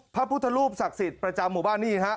พระพุทธรูปศักดิ์สิทธิ์ประจำหมู่บ้านนี่ฮะ